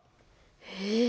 へえ。